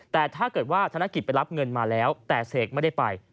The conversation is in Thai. แต่ถ้าเกิดว่าธนกิจไปรับเงินมาแล้วแต่เสกไม่ได้ไป